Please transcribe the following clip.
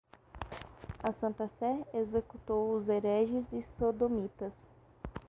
A Santa Sé executou os hereges e sodomitas